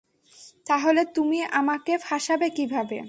তাহলে তুমি আমাকে ফাসাবে কিভাবে?